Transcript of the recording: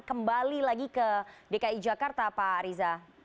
kembali lagi ke dki jakarta pak riza